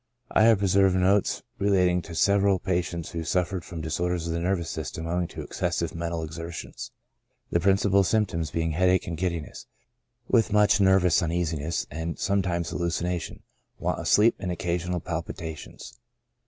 I have preserved notes relating to several patients who suffered from disorders of the nervous system owing to excessive mental exertions, the principal symptoms being headache and giddiness, with much nervous uneasiness, and sometimes hallucinations ; want of sleep, and occasional palpitations.